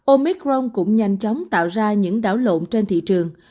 omicron cũng nhanh chóng tạo ra những đảo lộn trên thị trường